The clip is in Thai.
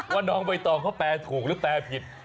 ว่าน้องใบตองเขาแปลถูกหรือแปลผิด